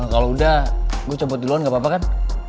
kalo udah gue cabut duluan gapapa kan